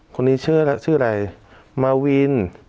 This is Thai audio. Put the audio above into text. คนนี้ชื่ออะไรมาวิน